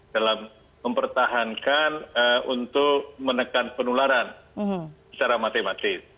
dalam mempertahankan untuk menekan penularan secara matematis